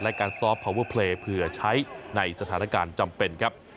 และการซอฟต์พาวเวอร์เพลย์เผื่อใช้ในสถานการณ์จำเป็นครับ